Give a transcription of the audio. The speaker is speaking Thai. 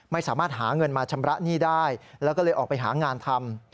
ไม่สามารถหาเงินมาชำระหนี้ได้แล้วก็เลยออกไปหางานทำ